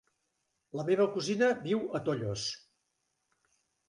La meva cosina viu a Tollos.